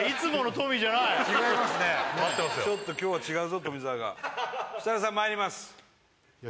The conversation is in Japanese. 今日は違うぞ富澤が設楽さんまいりますよ